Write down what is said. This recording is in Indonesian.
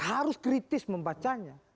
harus kritis membacanya